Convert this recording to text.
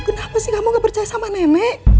kenapa sih kamu gak percaya sama nenek